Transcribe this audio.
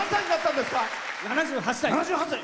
７８歳。